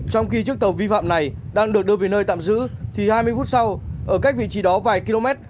trong khi chiếc tàu vi phạm này đang được đưa về nơi tạm giữ thì hai mươi phút sau ở cách vị trí đó vài km